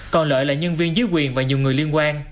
còn lợi là nhân viên dưới quyền và nhiều người liên quan